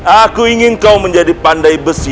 aku ingin kau menjadi pandai besi